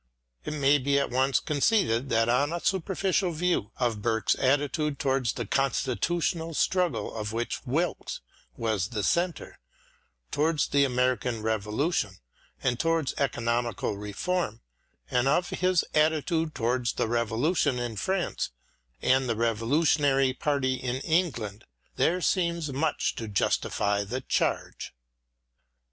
It may be at once con ceded that on a superficial view of Burke's attitude towards the constitutional struggle of which Wilkes was the centre, towards the American Revolution, and towards Economical Reform, and of his attitude towards the Revolu tion in France and the revolutionary party in England, there seems much to justify the charge.